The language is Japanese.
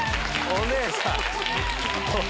お姉さん。